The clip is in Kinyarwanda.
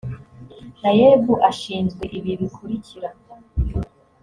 naeb ashinzwe ibi bikurikira